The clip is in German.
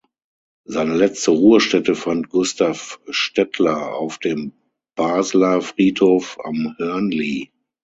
Seine letzte Ruhestätte fand Gustav Stettler auf dem Basler Friedhof am Hörnli.